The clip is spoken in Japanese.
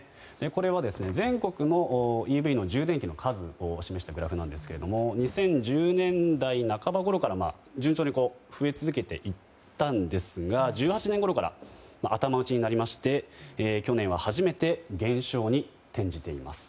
これは、全国のＥＶの充電器の数を示したグラフなんですけども２０１０年代半ばごろから順調に増え続けていったんですが１８年ごろから頭打ちになりまして去年は初めて減少に転じています。